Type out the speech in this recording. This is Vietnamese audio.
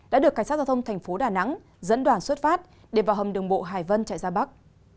đã được cảnh sát giao thông thành phố đà nẵng dẫn đoàn xuất phát để vào hầm đường bộ hải vân chạy ra bắc